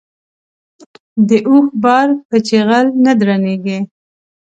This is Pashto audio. د اوښ بار په چيغل نه درنېږي.